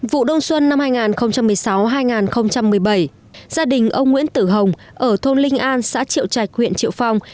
vụ đông xuân năm hai nghìn một mươi sáu hai nghìn một mươi bảy gia đình ông nguyễn tử hồng ở thôn linh an xã triệu trạch huyện triệu phong